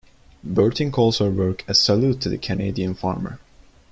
Berting calls her work "A Salute to the Canadian farmer".